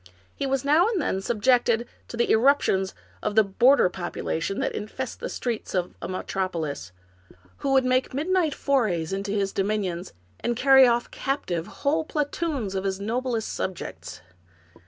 He was now and then subjected to the eruptions of the border population that infest the streets of a metropo lis, who would make midnight forays into his dominions, and carry off captive whole platoons of his noblest subjects.